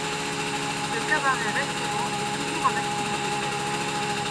Ce cabaret-restaurant est toujours en activité.